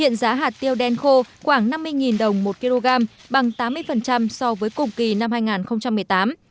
hiện giá hạt tiêu đen khô khoảng năm mươi đồng một kg bằng tám mươi so với cùng kỳ năm hai nghìn một mươi tám